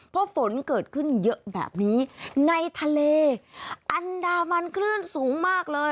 เพราะฝนเกิดขึ้นเยอะแบบนี้ในทะเลอันดามันคลื่นสูงมากเลย